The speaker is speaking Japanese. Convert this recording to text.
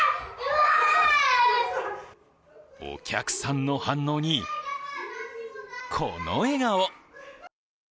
お客さんの反応にこの笑顔。